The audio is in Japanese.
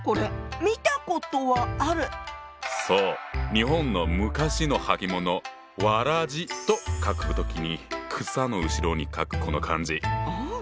日本の昔の履物「草鞋」と書く時に草の後ろに書くこの漢字。ああ！